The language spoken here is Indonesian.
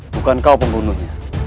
bukan kau pembunuhnya